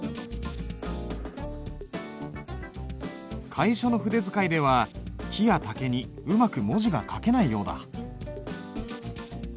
楷書の筆使いでは木や竹にうまく文字が書けないようだ。